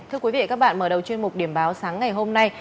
thưa quý vị và các bạn mở đầu chuyên mục điểm báo sáng ngày hôm nay